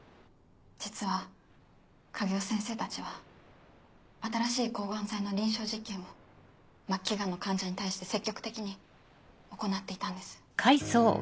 実は影尾先生たちは新しい抗がん剤の臨床実験を末期がんの患者に対して積極的に行っていたんです。